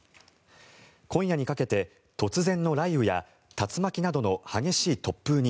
今夜にかけて突然の雷雨や竜巻などの激しい突風に